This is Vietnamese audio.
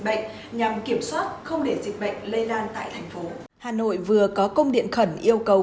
bệnh nhằm kiểm soát không để dịch bệnh lây lan tại thành phố hà nội vừa có công điện khẩn yêu cầu